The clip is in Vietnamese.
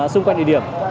xung quanh địa điểm